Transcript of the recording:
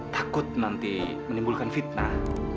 takut nanti menimbulkan fitnah